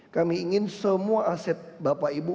kami ingin semua aset bapak ibu